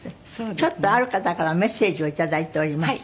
ちょっとある方からメッセージをいただいております。